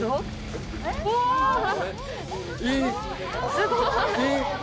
すごい。